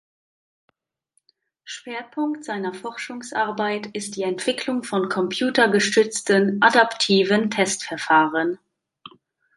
Schwerpunkt seiner Forschungsarbeit ist die Entwicklung von computergestützten adaptiven Testverfahren.